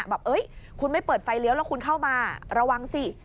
แบบคุณไม่เปิดไฟเลี้ยวแล้วคุณเข้ามาระวังสิ